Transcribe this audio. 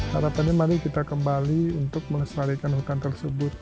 harapannya mari kita kembali untuk mengestalikan hutan tersebut